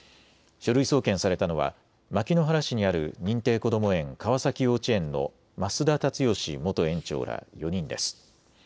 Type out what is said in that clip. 書類送検されたのは牧之原市にある認定こども園川崎幼稚園の増田立義元園長ら４人です。